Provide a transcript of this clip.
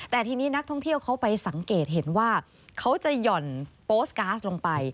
แต่ทีนี้นักท่องเที่ยวเขาไปสังเกตเห็นว่าเขาจะหย่อนโปสก๊าซลงไป